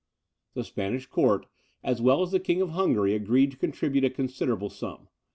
The Spanish court, as well as the King of Hungary, agreed to contribute a considerable sum.